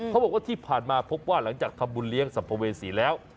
เขาบอกว่าที่ผ่านมาพบว่าหลังจากทำบุญเลี้ยงสัมภเวษีแล้ว